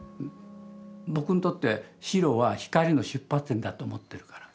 僕にとって白は光の出発点だと思ってるから。